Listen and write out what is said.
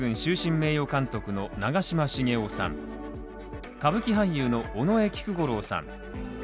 名誉監督の長嶋茂雄さん、歌舞伎俳優の尾上菊五郎さん。